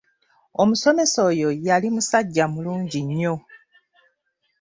Omusomesa oyo yali musajja mulungi nnyo.